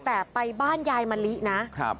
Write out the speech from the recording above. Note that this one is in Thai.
แต่ไปบ้านยายมะลินะ